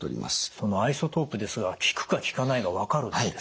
そのアイソトープですが効くか効かないが分かるんですか？